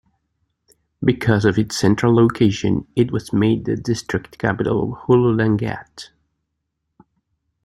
Because of its central location, it was made the district capital of Hulu Langat.